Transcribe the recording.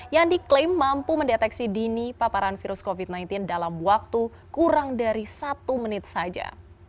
yang diklaim mampu mendeteksi dini paparan virus covid sembilan belas dalam waktu kurang dari satu menit saja